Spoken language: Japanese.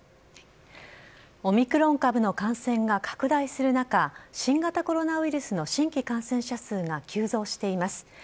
オミクロン株の感染が拡大する中、新型コロナウイルスの新規感染者数が急増しています。